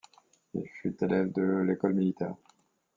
Il fut élève de l'École militaire.